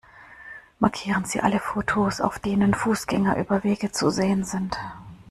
Markieren Sie alle Fotos, auf denen Fußgängerüberwege zu sehen sind!